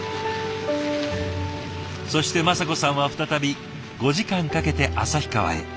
そして雅子さんは再び５時間かけて旭川へ。